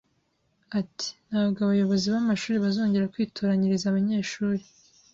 Ati “Nta bwo abayobozi b’amashuri bazongera kwitoranyiriza abanyeshuri